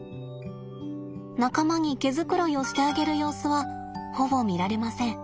仲間に毛繕いをしてあげる様子はほぼ見られません。